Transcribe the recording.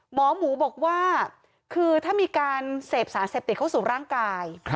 หมอหมูบอกว่าคือถ้ามีการเสพสารเสพติดเข้าสู่ร่างกาย